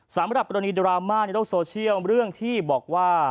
สำหรับกรณีดราม่าในโลกโซเชียลเรื่องที่บอกว่า